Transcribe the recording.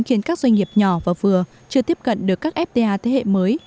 khiến các doanh nghiệp nhỏ và vừa chưa tiếp cận được các fta thế hệ mới